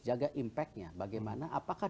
jaga impact nya bagaimana apakah